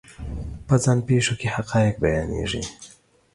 په ځان پېښو کې حقایق بیانېږي.